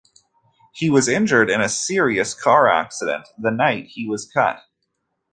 He was injured in a serious car accident the night he was cut.